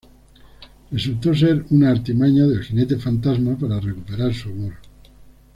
Resultó ser una artimaña del Jinete Fantasma para recuperar su amor.